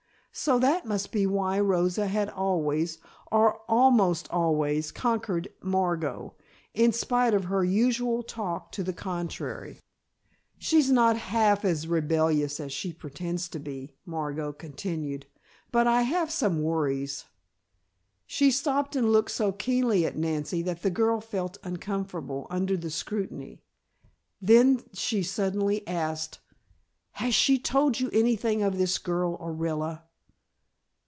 So that must be why Rosa had always, or almost always, conquered Margot, in spite of her usual talk to the contrary. "She's not half as rebellious as she pretends to be," Margot continued, "but I have some worries." She stopped and looked so keenly at Nancy that the girl felt uncomfortable under the scrutiny. Then she suddenly asked: "Has she told you anything of this girl, Orilla?"